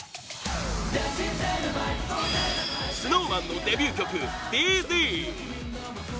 １まずはＳｎｏｗＭａｎのデビュー曲「Ｄ．Ｄ．」